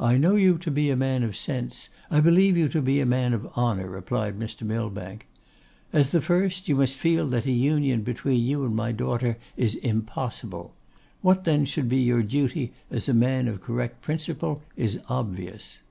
'I know you to be a man of sense; I believe you to be a man of honour,' replied Mr. Millbank. 'As the first, you must feel that an union between you and my daughter is impossible; what then should be your duty as a man of correct principle is obvious.